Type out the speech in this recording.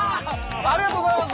ありがとうございます。